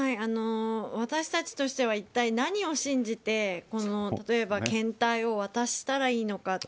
私たちとしては一体何を信じて例えば検体を渡したらいいのか。